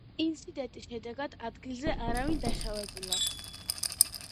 ინციდენტის შედეგად, ადგილზე არავინ დაშავებულა.